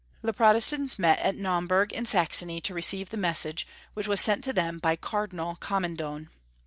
The Protestants met at Naum burg in Saxony to receive the message, wliich was sent to them by Cardinal Commendone.